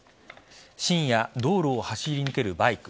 深夜、道路を走り抜けるバイク。